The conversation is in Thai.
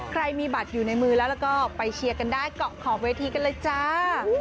ใครมีบัตรอยู่ในมือแล้วก็ไปเชียร์กันได้เกาะขอบเวทีกันเลยจ้า